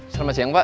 selamat siang pak